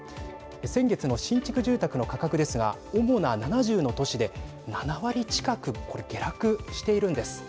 先月の新築住宅の価格ですが主な７０の都市で７割近くこれ下落しているんです。